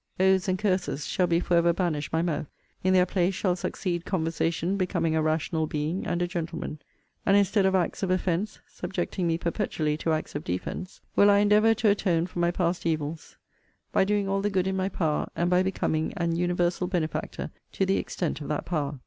Oaths and curses shall be for ever banished my mouth: in their place shall succeed conversation becoming a rational being, and a gentleman. And instead of acts of offence, subjecting me perpetually to acts of defence, will I endeavour to atone for my past evils, by doing all the good in my power, and by becoming an universal benefactor to the extent of that power.